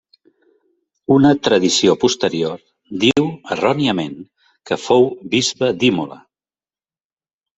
Una tradició posterior diu, erròniament, que fou bisbe d'Imola.